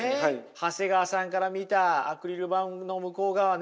長谷川さんから見たアクリル板の向こう側ね